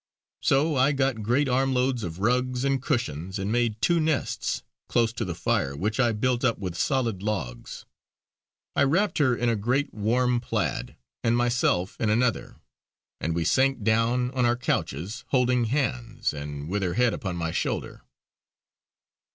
So I got great armloads of rugs and cushions and made up two nests close to the fire which I built up with solid logs. I wrapped her in a great, warm plaid and myself in another, and we sank down on our couches, holding hands and with her head upon my shoulder.